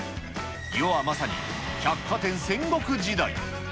世はまさに百貨店戦国時代。